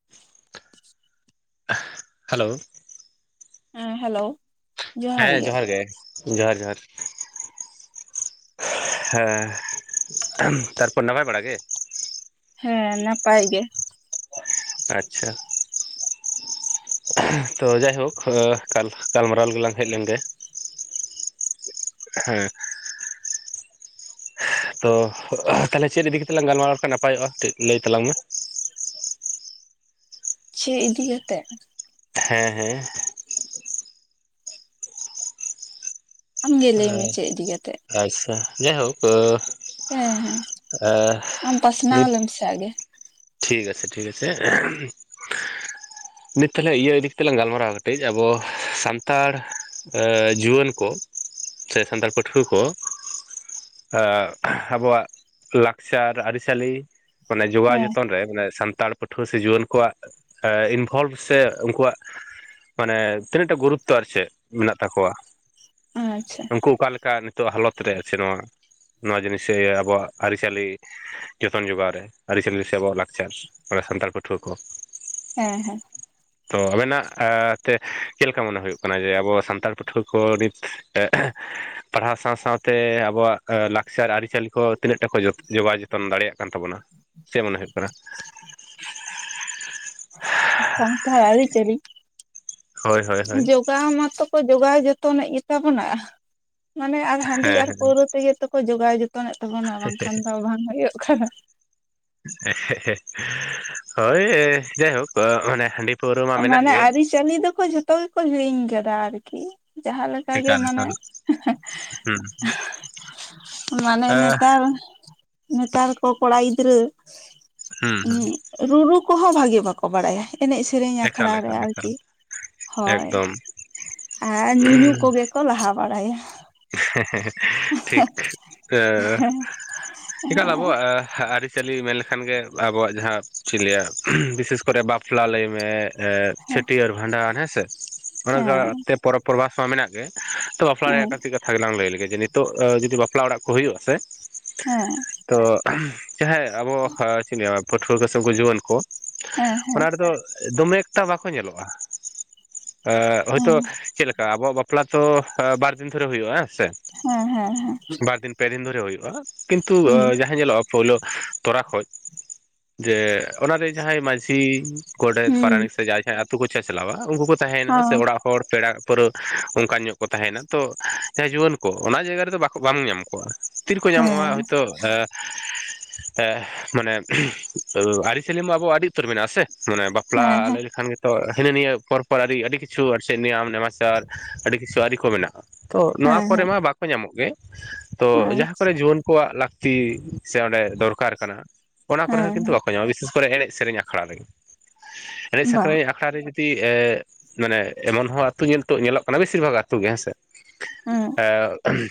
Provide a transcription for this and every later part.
[inaudible] Hello. ᱦᱮᱸ hello. ᱦᱮᱸ ᱡᱚᱦᱟᱨ ᱜᱮ ᱡᱚᱦᱟᱨ ᱡᱚᱦᱟᱨ᱾ ᱦᱮᱸ ᱛᱟᱨᱯᱚᱨ ᱱᱟᱯᱟᱭ ᱵᱟᱲᱟ ᱜᱮ? ᱦᱮᱸ ᱱᱟᱯᱟᱭ ᱜᱮ᱾ ᱟᱪᱪᱷᱟ᱾ ᱛᱚ ᱡᱟᱭᱦᱳᱠ ᱟᱸ ᱜᱟᱞ ᱜᱟᱞᱢᱟᱨᱟᱣ ᱞᱤᱜᱤ ᱞᱟᱝ ᱦᱮᱡ ᱞᱮᱱ ᱜᱮ᱾ ᱦᱮᱸ᱾ ᱛᱚ ᱛᱟᱦᱚᱞᱮ ᱪᱮᱫ ᱤᱫᱤ ᱠᱟᱛᱮᱜ ᱞᱟᱝ ᱜᱟᱞᱢᱟᱨᱟᱣ ᱞᱮᱠᱷᱟᱱ ᱱᱟᱯᱟᱭᱚᱜᱼᱟ ᱴᱤᱡ ᱞᱟᱹᱭ ᱛᱟᱞᱟᱝ ᱢᱮ᱾ ᱪᱮᱫ ᱤᱫᱤ ᱠᱟᱛᱮᱜ ᱦᱮᱸ ᱦᱮᱸ᱾ ᱟᱢᱜᱮ ᱞᱟᱹᱭ ᱢᱮ ᱪᱮᱫ ᱤᱫᱤ ᱠᱟᱛᱮᱫ᱾ ᱟᱪᱪᱷᱟ ᱡᱟᱭᱦᱳᱠ ᱟᱸ ᱦᱮᱸ ᱦᱮᱸ ᱟᱢ ᱯᱟᱥᱱᱟᱣ ᱱᱤᱛ ᱞᱮᱢ ᱥᱮ ᱟᱜᱮ᱾ ᱴᱷᱤᱠ ᱟᱪᱷᱮ ᱴᱷᱤᱠ ᱟᱪᱷᱮ [inaudible] ᱱᱤᱛ ᱛᱷᱟᱞᱮ ᱤᱭᱟᱹ ᱤᱫᱤ ᱠᱟᱛᱮᱫ ᱞᱟᱝ ᱜᱟᱞᱢᱟᱨᱟᱣᱼᱟ ᱠᱟᱹᱴᱤᱡ ᱟᱵᱚ ᱥᱟᱱᱛᱟᱲ ᱟᱸ ᱡᱩᱣᱟᱹᱱ ᱠᱚ ᱥᱮ ᱥᱟᱱᱛᱟᱲ ᱯᱟᱹᱴᱷᱩᱣᱟᱹ ᱠᱚ ᱟᱸᱜ ᱟᱵᱚᱣᱟᱜ ᱞᱟᱠᱪᱟᱨ ᱟᱹᱨᱤᱪᱟᱹᱞᱤ ᱢᱟᱱᱮ ᱡᱚᱜᱟᱣ ᱦᱮᱸ ᱡᱚ [unintelligible] ᱥᱟᱱᱛᱟᱲ ᱯᱟᱹᱴᱷᱩᱣᱟᱹ ᱥᱮ ᱡᱩᱣᱟᱹᱱ ᱠᱚᱣᱟᱜ ᱮᱸ ᱤᱱᱵᱷᱚᱞᱵᱷ ᱥᱮ ᱩᱱᱠᱩᱣᱟᱜ ᱢᱟᱱᱮ ᱛᱤᱱᱟᱹᱜᱴᱟ ᱜᱩᱨᱩᱛᱛᱚ ᱟᱨ ᱪᱮᱫ ᱢᱮᱱᱟᱜ ᱛᱟᱠᱚᱣᱟ ᱟᱪᱪᱷᱟ᱾ ᱩᱱᱠᱩ ᱚᱠᱟᱞᱮᱠᱟ ᱱᱤᱛᱚᱜ ᱦᱟᱞᱚᱛ ᱨᱮ ᱟᱪᱷᱮ ᱱᱚᱣᱟ ᱱᱚᱣᱟ ᱡᱤᱱᱤᱥᱟᱹᱭ ᱟᱵᱚᱣᱟᱜ ᱟᱹᱨᱤᱪᱟᱹᱞᱤ ᱡᱚᱛᱚᱱ ᱡᱚᱜᱟᱣ ᱨᱮ ᱟᱹᱨᱤᱪᱟᱹᱞᱤ ᱥᱮ ᱟᱵᱚᱣᱟᱜ ᱞᱟᱠᱪᱟᱨ ᱛᱷᱚᱲᱟ ᱥᱟᱱᱛᱟᱲ ᱯᱟᱹᱴᱷᱩᱣᱟᱹ ᱠᱚ᱾ ᱦᱮᱸ ᱦᱮᱸ᱾ [inaudible] ᱛᱚ ᱟᱵᱮᱱᱟᱜ ᱟ ᱛᱮ ᱪᱮᱫ ᱞᱮᱠᱟ ᱢᱚᱱᱮ ᱦᱩᱭᱩᱜ ᱠᱟᱱᱟ ᱡᱮ ᱟᱵᱚ ᱥᱟᱱᱛᱟᱲ ᱯᱟᱹᱴᱷᱩᱣᱟᱹ ᱠᱚ ᱱᱤᱛ ᱮᱸᱜ ᱯᱟᱲᱦᱟᱣ ᱥᱟᱶ ᱥᱟᱶᱛᱮ ᱟᱵᱚᱣᱟᱜ ᱟᱹ ᱞᱟᱠᱪᱟᱨ ᱟᱹᱨᱤᱪᱟᱹᱞᱤ ᱠᱚ ᱛᱤᱱᱟᱹᱜ ᱴᱟ ᱠᱚ ᱡᱚᱛ ᱡᱚᱜᱟᱣ ᱡᱚ ᱛᱚᱱ ᱫᱟᱲᱮᱭᱟᱜ ᱠᱟᱱ ᱛᱟᱵᱚᱱᱟ ᱪᱮᱫ ᱢᱚᱱᱮ ᱦᱩᱭᱩᱜ ᱠᱟᱱᱟ? ᱥᱟᱱᱛᱷᱟᱲ ᱟᱹᱨᱤᱪᱟᱹᱞᱤ? ᱦᱳᱭ ᱦᱳᱭ ᱦᱳᱭ᱾ ᱚᱠᱟ ᱢᱟᱛᱚ ᱠᱚ ᱡᱚᱜᱟᱣ ᱡᱚᱛᱚᱱᱮᱜ ᱜᱮᱛᱟ ᱵᱚᱱᱟ᱾ ᱢᱟᱱᱮ ᱟᱨ ᱦᱟᱺᱰᱤ ᱟᱨ ᱦᱮᱸ ᱯᱟᱹᱣᱨᱟᱹ ᱛᱮᱜᱮ ᱛᱚᱠᱚ ᱡᱚᱜᱟᱣ ᱡᱚᱛᱚᱱᱮᱫ ᱛᱟᱵᱚᱱᱟ ᱵᱟᱝᱠᱷᱟᱱ ᱫᱚ ᱵᱟᱝ ᱦᱩᱭᱩᱜ᱾ [unintelligible] ᱮᱸᱜ ᱦᱮᱸ ᱦᱮᱸ ᱦᱳᱭ ᱡᱟᱭ ᱦᱳᱠ ᱟᱸ ᱢᱟᱱᱮ ᱦᱟᱺᱰᱤ ᱯᱟᱹᱣᱨᱟᱹ ᱢᱟ ᱢᱮᱱᱟᱜ ᱢᱟᱱᱮ ᱜᱮ ᱟᱹᱨᱤᱪᱟᱹᱞᱤ ᱫᱚᱠᱚ ᱡᱷᱚᱛᱚ ᱜᱮᱠᱚ ᱦᱤᱲᱤᱧ ᱠᱟᱫᱟ ᱟᱨᱠᱤ ᱡᱟᱦᱟᱸ ᱞᱮᱠ ᱠᱟ ᱜᱮ ᱮᱠᱟᱞ ᱢᱟᱱᱮ ᱮᱠᱟᱞ ᱦᱩᱸ ᱢᱟᱱᱮ ᱱᱮᱛᱟᱨ ᱱᱮᱛᱟᱨ ᱠᱚ ᱠᱚᱲᱟ ᱜᱤᱫᱽᱨᱟᱹ ᱦᱩᱸ ᱦᱩᱸ ᱩᱸᱜ ᱨᱩᱨᱩ ᱠᱚᱦᱚᱸ ᱵᱷᱟᱜᱮ ᱵᱟᱠᱚ ᱵᱟᱰᱟᱭᱟ ᱮᱱᱮᱡ ᱥᱮᱨᱮᱧ ᱟᱠᱷᱲᱟ ᱮᱠᱟᱞ ᱨᱮ ᱮᱠᱟᱞ ᱮᱠᱟᱞ ᱟᱨᱠᱤ ᱦᱳᱭ ᱮᱠᱫᱚᱢ ᱟᱨ ᱧᱩᱧᱩ ᱠᱚᱜᱮ ᱠᱚ ᱞᱟᱦᱟ ᱵᱟᱲᱟᱭᱟ᱾ ᱦᱮᱸ ᱦᱮᱸ ᱦᱮᱸ ᱴᱷᱤᱠ ᱟᱹ ᱮᱠᱟᱞ ᱦᱮᱸ ᱟᱵᱚᱣᱟᱜ ᱟᱹ ᱟᱹᱨᱤᱪᱟᱹᱞᱤ ᱢᱮᱱ ᱞᱮᱠᱷᱟᱱ ᱜᱮ ᱟᱵᱚᱣᱟᱜ ᱡᱟᱦᱟᱸ ᱪᱮᱫᱤᱧ ᱞᱟᱹᱭᱟ ᱵᱤᱥᱮᱥ ᱠᱚᱨᱮ ᱵᱟ ᱯᱞᱟ ᱞᱟᱹᱭ ᱢᱮ ᱮᱸᱫ ᱪᱷᱟᱹᱴᱭᱟᱹᱨ ᱵᱷᱟᱸᱰᱟᱱ ᱦᱮᱸ ᱥᱮ ᱦᱮᱸ ᱚᱱᱟᱠᱟᱛᱮ ᱯᱚᱨᱚᱵᱽ ᱯᱚᱨᱵᱟᱥ ᱢᱟ ᱢᱮᱱᱟᱜ ᱜᱮ, ᱛᱚ ᱵᱟᱯᱞᱟ ᱨᱮᱭᱟᱜ ᱦᱮᱸ ᱠᱟᱹᱴᱤᱡ ᱠᱟᱛᱷᱟ ᱜᱮᱞᱟᱝ ᱞᱟᱹᱭ ᱞᱮᱜᱮ ᱡᱮ ᱱᱤᱛᱚᱜ ᱟᱹ ᱡᱩᱫᱤ ᱵᱟᱯᱞᱟ ᱚᱲᱟᱜ ᱠᱚ ᱦᱩᱭᱩᱜ-ᱟ ᱥᱮ ᱦᱮᱸ ᱛᱚ ᱪᱟᱦᱮ ᱟᱵᱚ ᱟᱹ ᱪᱮᱫ ᱤᱧ ᱞᱟᱹᱭᱟ ᱯᱟᱹᱴᱷᱩᱣᱟᱹ ᱠᱩ ᱥᱮ ᱩᱝᱠᱩ ᱡᱩᱣᱟᱹᱱ ᱠᱩ ᱦᱮᱸ ᱚᱱᱟ ᱦᱮᱸ ᱨᱮᱫᱚ ᱫᱚᱢᱮ ᱮᱠᱴᱟ ᱵᱟᱠᱚ ᱧᱮᱞᱚᱜ-ᱟ᱾ ᱮᱜ ᱦᱚᱭᱛᱳ ᱦᱮᱸ ᱪᱮᱫ ᱞᱮᱠᱟ ᱟᱵᱚᱣᱟᱜ ᱵᱟᱯᱞᱟ ᱛᱚ ᱟᱹ ᱵᱟᱨᱫᱤᱱ ᱫᱷᱚᱨᱮ ᱦᱩᱭᱩᱜ-ᱟ ᱦᱮᱸ ᱥᱮ, ᱦᱮᱸ ᱦᱮᱸ ᱦᱮᱸ᱾ ᱵᱟᱨ ᱫᱤᱱ ᱯᱮ ᱫᱤᱱ ᱫᱷᱚᱨᱮ ᱦᱩᱭᱩᱜᱼᱟ, ᱠᱤᱱᱛᱩ ᱟᱹ ᱦᱩᱸ ᱡᱟᱦᱟᱸ ᱧᱮᱞᱚᱜᱼᱟ ᱯᱳᱭᱞᱩ ᱛᱚᱨᱟ ᱠᱷᱚᱡ ᱡᱮ ᱚᱱᱟᱨᱮ ᱡᱟᱦᱟᱸᱭ ᱢᱟᱺᱡᱷᱤ ᱜᱚᱰᱮᱛ ᱦᱩᱸ ᱯᱟᱨᱟᱱᱤᱠ ᱥᱮ ᱡᱟᱦᱟᱸᱭ ᱡᱟᱦᱟᱸᱭ ᱟᱛᱩ ᱠᱩ ᱪᱟᱪᱞᱟᱣᱟ ᱩᱱᱠᱩ ᱠᱚ ᱚ ᱛᱟᱦᱮᱸᱭᱱᱟ ᱥᱮ ᱚᱲᱟᱜ ᱦᱚᱲ ᱯᱮᱲᱟ ᱯᱟᱹᱨᱟᱹ ᱚᱝᱠᱟ ᱧᱚᱜ ᱠᱚ ᱛᱟᱦᱮᱸᱭᱱᱟ᱾ ᱛᱚ ᱮ ᱡᱩᱣᱟᱹᱱ ᱠᱚ ᱚᱱᱟ ᱡᱟᱭᱜᱟ ᱨᱮᱫᱚ ᱵᱟᱠᱚ ᱵᱟᱝ ᱧᱟᱢ ᱠᱚᱣᱟ ᱛᱤᱨᱮᱠᱚ ᱧᱟᱢᱚᱜ-ᱟ ᱦᱮᱸ ᱦᱚᱭᱛᱚ ᱮ ᱮ ᱢᱟᱱᱮ ᱟᱹᱨᱤ-ᱪᱟᱹᱞᱤ ᱢᱟ ᱟᱵᱚᱣᱟᱜ ᱟᱹᱰᱤ ᱩᱛᱟᱹᱨ ᱢᱮᱱᱟᱜ-ᱟ ᱥᱮ ᱢᱟᱱᱮ ᱵᱟ ᱦᱮᱸ ᱯᱞᱟ ᱟᱞᱮ ᱡᱚᱠᱷᱟᱱ ᱜᱮ ᱛᱚ ᱦᱤᱱᱟᱹ ᱱᱤᱭᱟᱹ ᱯᱚᱨᱚᱵᱽ ᱯᱚᱨᱟ ᱟᱹᱰᱤ ᱟᱹᱰᱤ ᱠᱤᱪᱷᱩ ᱟᱨ ᱥᱮ ᱱᱤᱭᱚᱢ ᱱᱮᱢᱟᱪᱟᱨ ᱟᱹᱰᱤ ᱠᱤᱪᱷᱩ ᱟᱹᱨᱤ ᱠᱚ ᱢᱮᱱᱟᱜ-ᱟ᱾ ᱛᱚ ᱱᱚᱣᱟ ᱦᱮᱸ ᱠᱚᱨᱮ ᱦᱮᱸ ᱢᱟ ᱵᱟᱠᱚ ᱧᱟᱢᱚᱜ ᱜᱮ ᱛᱚ ᱦᱮᱸ ᱡᱟᱦᱟᱸ ᱠᱚᱨᱮ ᱡᱩᱣᱟᱹᱱ ᱠᱚᱣᱟᱜ ᱞᱟᱠ ᱛᱤ ᱥᱮ ᱚᱸᱰᱮ ᱫᱚᱨᱠᱟᱨ ᱠᱟᱱᱟ ᱦᱟᱸᱜ ᱚᱱᱟ ᱠᱚᱨᱮ ᱦᱚᱸ ᱦᱮᱸ ᱠᱤᱱᱛᱩ ᱵᱟᱠᱚ ᱧᱟᱢᱚᱜ-ᱟ ᱵᱤᱥᱮᱥ ᱠᱚᱨᱮ ᱮᱱᱮᱡ ᱥᱮᱨᱮᱧ ᱟᱠᱷᱲᱟ ᱨᱮ ᱮᱱᱮᱡ ᱵᱟ ᱥᱮᱠᱨᱮᱧ ᱟᱠᱷ ᱲᱟ ᱨᱮ ᱡᱩᱫᱤ ᱮ ᱢᱟᱱᱮ ᱮᱢᱚᱱ ᱦᱚᱸ ᱟᱹᱛᱩ ᱧᱤᱛᱚᱜ ᱧᱮᱞᱚᱜ ᱠᱟᱱᱟ ᱵᱮᱥᱤᱨ ᱵᱷᱟᱜᱽ ᱟᱹᱛᱩ ᱜᱮ ᱦᱮᱸᱥᱮ, ᱦᱮᱸ ᱮᱸᱜ